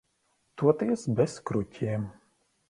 Toties bez kruķiem.